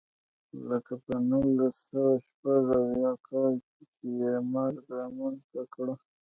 لکه په نولس سوه شپږ اویا کال کې چې مرګ رامنځته کړه.